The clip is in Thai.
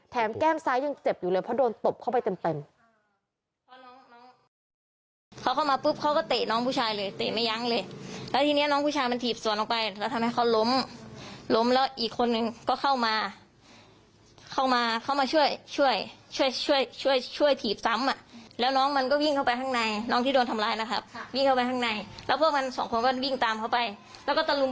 แก้มซ้ายยังเจ็บอยู่เลยเพราะโดนตบเข้าไปเต็ม